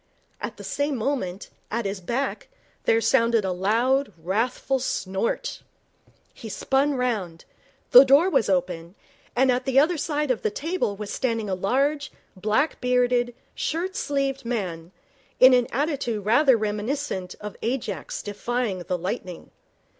At the same moment, at his back, there sounded a loud, wrathful snort. He spun round. The door was open, and at the other side of the table was standing a large, black bearded, shirt sleeved man, in an attitude rather reminiscent of Ajax defying the lightning.